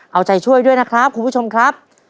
เอาใจช่วยด้วยนะครับคุณผู้ชมครับ